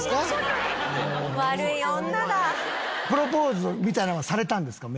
プロポーズみたいなのはされたんですか？